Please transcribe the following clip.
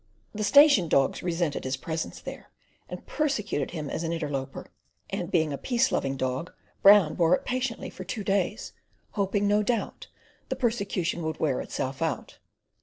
The station dogs resented his presence there, and persecuted him as an interloper; and being a peace loving dog, Brown bore it patiently for two days, hoping, no doubt, the persecution would wear itself out.